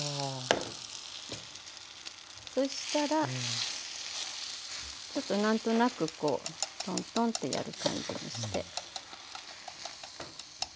そうしたらちょっと何となくこうトントンってやる感じにして。